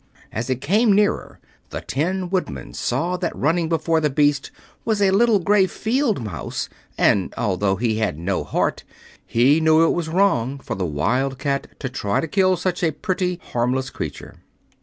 As it came nearer the Tin Woodman saw that running before the beast was a little gray field mouse, and although he had no heart he knew it was wrong for the Wildcat to try to kill such a pretty, harmless creature.